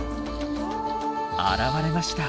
現れました。